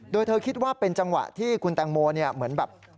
โดยเธอคิดว่าเป็นจังหวะที่คุณแตงโมเหมือนแบบ